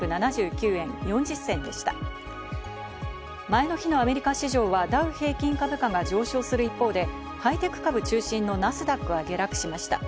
前の日のアメリカ市場はダウ平均株価が上昇する一方で、ハイテク株中心のナスダックは下落しました。